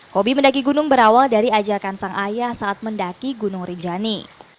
hobi mendaki gunung berawal dari ajakan sang ayah saat mendaki gunung rinjani